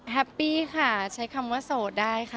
แฮปปี้ค่ะใช้คำว่าโสดได้ค่ะ